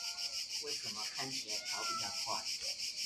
為什麼看起來跑比較快